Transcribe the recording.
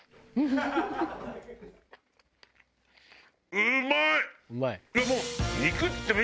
「うまい？」